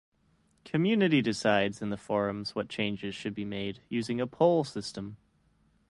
Community decides in the Forums what changes should be made, using a poll system.